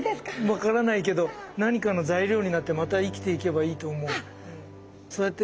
分からないけど何かの材料になってまた生きていけばいいと思う。